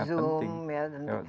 itu sangat penting